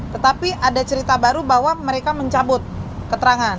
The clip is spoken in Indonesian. tetapi ada cerita baru bahwa mereka mencabut keterangan